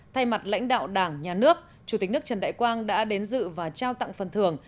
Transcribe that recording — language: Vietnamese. thay mặt lãnh đạo đảng nhà nước chủ tịch nước trần đại quang đã đến dự và trao tặng phần thưởng